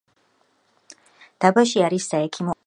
დაბაში არის საექიმო ამბულატორია.